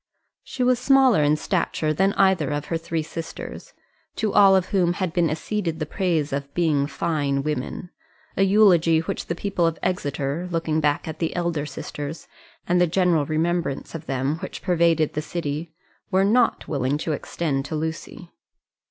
She was smaller in stature than either of her three sisters, to all of whom had been acceded the praise of being fine women a eulogy which the people of Exeter, looking back at the elder sisters, and the general remembrance of them which pervaded the city, were not willing to extend to Lucy.